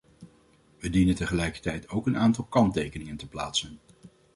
We dienen tegelijkertijd ook een aantal kanttekeningen te plaatsen.